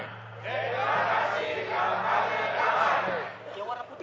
deklarasi kampanye damai